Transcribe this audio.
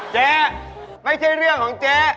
เจ๊ไม่ใช่เรื่องของเจ๊